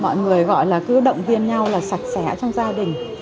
mọi người gọi là cứ động viên nhau là sạch sẽ trong gia đình